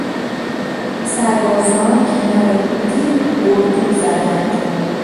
سربازان کنار رودی اردو زدند.